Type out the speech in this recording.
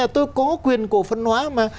tôi có quyền cổ phần hóa mà